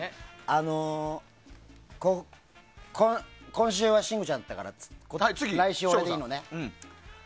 あの、今週は信五ちゃんだったから来週、俺でいいのね。